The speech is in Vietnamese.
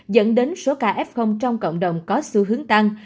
dẫn đến số ca f trong cộng đồng có xu hướng tăng